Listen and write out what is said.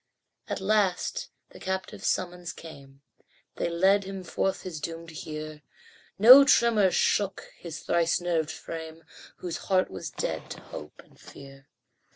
At last the captive's summons came; They led him forth his doom to hear; No tremor shook his thrice nerved frame Whose heart was dead to hope and fear.